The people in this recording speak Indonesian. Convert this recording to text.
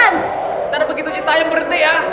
ntar begitu kita yang berhenti ya